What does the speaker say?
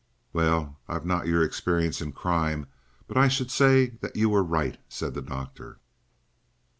"Well, I've not your experience in crime, but I should say that you were right," said the doctor.